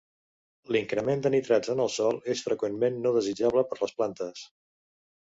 L'increment de nitrats en el sòl és freqüentment no desitjable per les plantes.